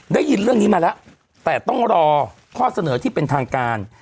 ได้ยินเรื่องนี้มาแล้วแต่ต้องรอข้อเสนอที่เป็นทางการ